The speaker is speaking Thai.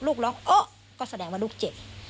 ลูกร้องเอ๊ะก็แสดงว่าลูกเจ็บ